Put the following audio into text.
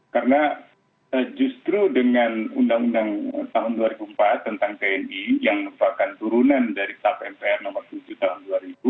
karena justru dengan undang undang tahun dua ribu empat tentang tni yang bahkan turunan dari tap mpr nomor tujuh tahun dua ribu